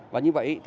và như vậy thì